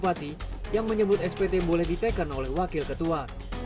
bupati yang menyebut spt boleh ditekan oleh wakil ketua